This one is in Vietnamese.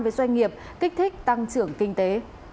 với doanh nghiệp kích thích tăng trưởng kinh tế